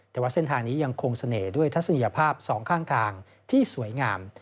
แต่ว่าเส้นทางนี้ยังคงเสน่ห์ด้วยทัศนียภาพสองข้างทางที่สวยงาม